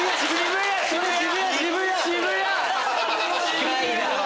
近いなぁ。